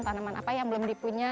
tanaman apa yang belum dipunya